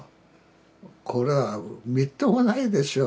これはみっともないでしょう。